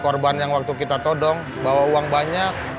korban yang waktu kita todong bawa uang banyak